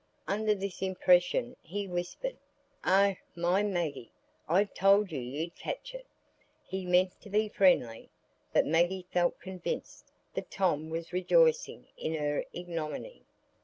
Under this impression, he whispered, "Oh, my! Maggie, I told you you'd catch it." He meant to be friendly, but Maggie felt convinced that Tom was rejoicing in her ignominy.